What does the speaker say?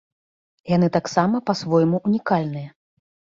Яны таксама па-свойму ўнікальныя.